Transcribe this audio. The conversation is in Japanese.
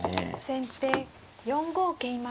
先手４五桂馬。